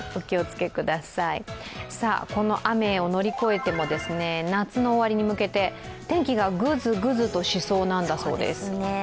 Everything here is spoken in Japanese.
この雨を乗り越えても夏の終わりに向けて天気がぐずぐずとしそうなんだそうです。